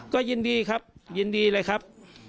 ก็ยินดีครับยินดีเลยครับ